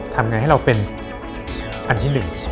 ทำไงให้เราเป็นอันที่๑